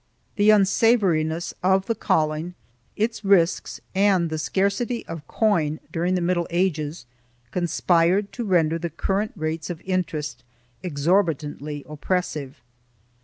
2 The unsavoriness of the calling, its risks and the scarcity of" coin during the Middle Ages, conspired to render the current rates of interest exorbitantly oppressive.